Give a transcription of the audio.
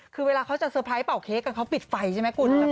คือเวลาเขาจะเตอร์ไพรส์เป่าเค้กกันเขาปิดไฟใช่ไหมคุณ